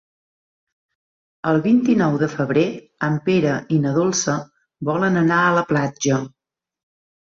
El vint-i-nou de febrer en Pere i na Dolça volen anar a la platja.